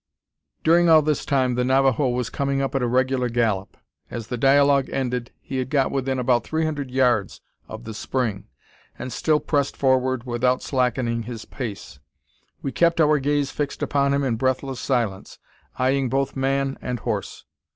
During all this time, the Navajo was coming up at a regular gallop. As the dialogue ended, he had got within about three hundred yards of the spring, and still pressed forward without slackening his pace. We kept our gaze fixed upon him in breathless silence, eyeing both man and horse.